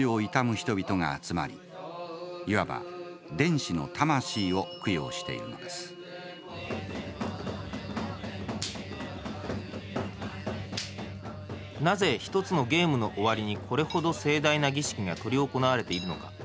人々が集まりいわば電子の魂を供養しているのですなぜ一つのゲームの終わりにこれほど盛大な儀式が執り行われているのか。